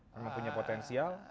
yang mempunyai potensial